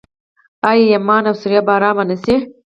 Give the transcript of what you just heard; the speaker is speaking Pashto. آیا یمن او سوریه به ارام نشي؟